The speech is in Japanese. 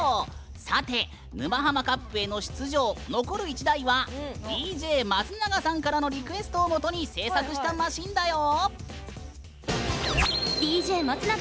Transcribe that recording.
さて、「沼ハマカップ」への出場残る１台は、ＤＪ松永さんからのリクエストをもとに製作したマシーンだよ！